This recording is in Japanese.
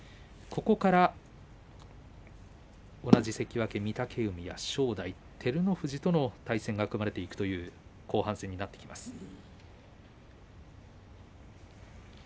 ここから同じ関脇御嶽海正代、照ノ富士との対戦が組まれていくという後半戦になります。